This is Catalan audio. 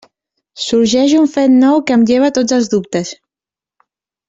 Sorgeix un fet nou que em lleva tots els dubtes.